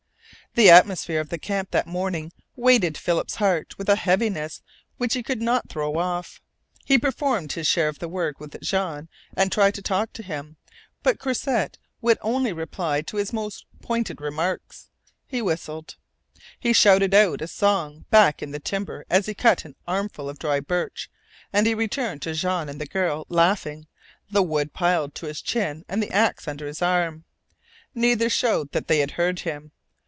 The atmosphere of the camp that morning weighted Philip's heart with a heaviness which he could not throw off. He performed his share of the work with Jean, and tried to talk to him, but Croisset would only reply to his most pointed remarks. He whistled. He shouted out a song back in the timber as he cut an armful of dry birch, and he returned to Jean and the girl laughing, the wood piled to his chin and the axe under his arm. Neither showed that they had heard him.